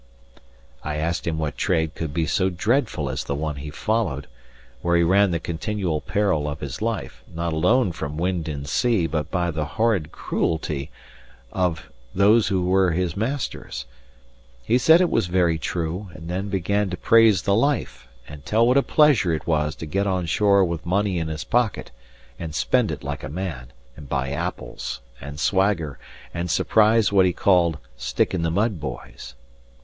I asked him what trade could be so dreadful as the one he followed, where he ran the continual peril of his life, not alone from wind and sea, but by the horrid cruelty of those who were his masters. He said it was very true; and then began to praise the life, and tell what a pleasure it was to get on shore with money in his pocket, and spend it like a man, and buy apples, and swagger, and surprise what he called stick in the mud boys.